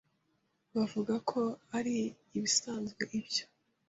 bavugako ari ibisanzwe ibyo